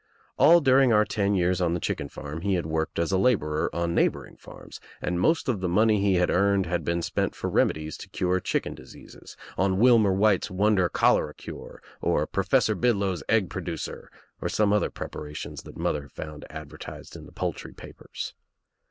AH during our ten years on the chicken farm he had worked as a laborer on neighboring farms and most of the money he had earned had been spent for remedies to cure chicken diseases, on Wilmer's White Wonder Cholera Cure or Professor Bidlow's Egg Producer or some other preparations that mother found advertised in the poultry papers.